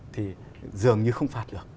thì dường như không phạt được